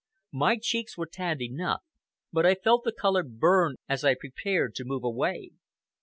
My cheeks were tanned enough, but I felt the color burn as I prepared to move away.